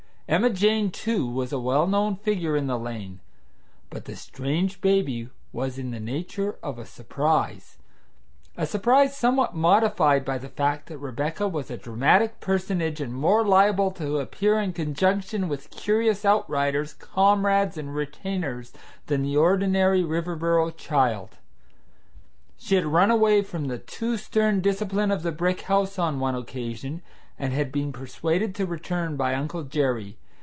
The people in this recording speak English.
Emma Jane, too, was a well known figure in the lane, but the strange baby was in the nature of a surprise a surprise somewhat modified by the fact that Rebecca was a dramatic personage and more liable to appear in conjunction with curious outriders, comrades, and retainers than the ordinary Riverboro child. She had run away from the too stern discipline of the brick house on one occasion, and had been persuaded to return by Uncle Jerry.